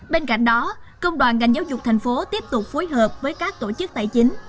bên cạnh đó công đoàn ngành giáo dục thành phố tiếp tục phối hợp với các tổ chức tài chính